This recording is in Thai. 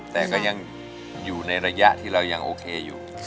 แต่ก็ยังอยู่ในระยะที่เรายังโอเคอยู่